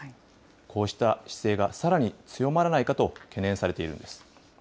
こうした姿勢がさらに強まらないかと、懸念されているんです。